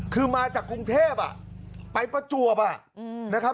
คือมาจากกรุงเทพไปประจวบนะครับ